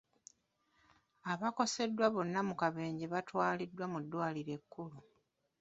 Abaakoseddwa bonna mu kabenje baatwaliddwa mu ddwaliro ekkulu.